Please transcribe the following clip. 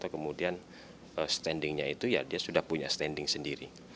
kemudian standingnya itu ya dia sudah punya standing sendiri